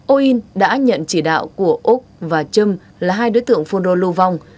o in đã nhận chỉ đạo của úc và trâm là hai đối tượng phun rô lưu vong